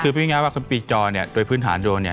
คือพูดง่ายว่าคนปีจอเนี่ยโดยพื้นฐานโดรนเนี่ย